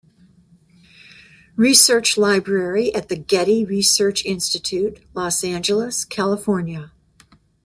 Research Library at the Getty Research Institute, Los Angeles, California.